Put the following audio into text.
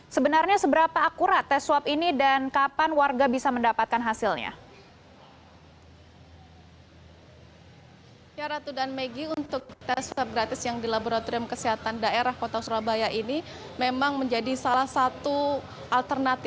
sebenarnya seberapa akurat tes swab ini dan kapan warga berhenti